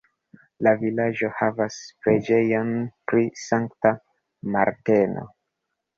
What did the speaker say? La vilaĝo havas preĝejon pri Sankta Marteno.